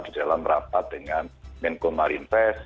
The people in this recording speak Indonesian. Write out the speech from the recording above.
bersama dalam rapat dengan menko marine test